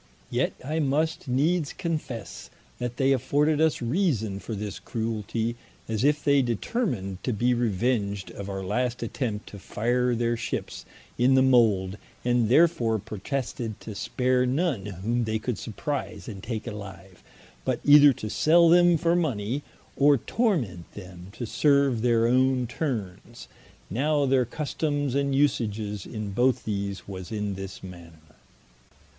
Yet I must needs confesse, that they afforded us reason for this cruelty, as if they determined to be revenged of our last attempt to fire their ships in the Mould, and therefore protested to spare none whom they could surprise and take alive; but either to sell them for money, or torment them to serve their owne turnes. Now their customes and usages in both these was in this manner.